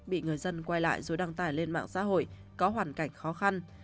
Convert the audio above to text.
bị người dân quay lại rồi đăng tải lên mạng xã hội có hoàn cảnh khó khăn